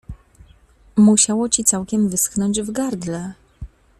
Musiało ci całkiem wyschnąć w gardle.